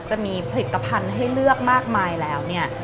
จะมีผลิตภัณฑ์ให้เลือกมากมายแล้วเนี่ย